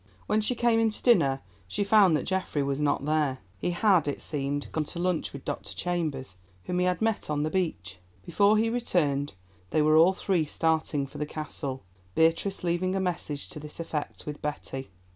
When she came in to dinner she found that Geoffrey was not there. He had, it seemed, gone to lunch with Dr. Chambers, whom he had met on the beach. Before he returned they were all three starting for the Castle, Beatrice leaving a message to this effect with Betty.